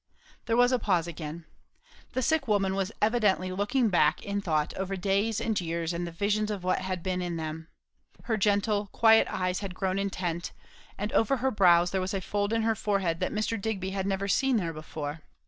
There was a pause again. The sick woman was evidently looking back in thought over days and years and the visions of what had been in them. Her gentle, quiet eyes had grown intent, and over her brows there was a fold in her forehead that Mr. Digby had never seen there before.